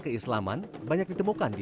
tapi pt fre consci di kabupaten ola dah sampai